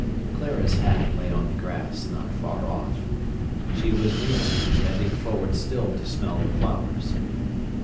Clara's hat lay on the grass not far off. She was kneeling, bending forward still to smell the flowers.